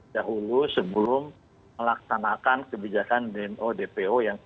dahulu sebelum melaksanakan kebijakan dmo dpo